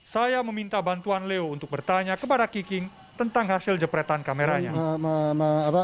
saya meminta bantuan leo untuk bertanya kepada kiking tentang hasil jepretan kameranya